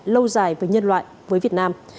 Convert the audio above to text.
lâu dài với nhân loại với việt nam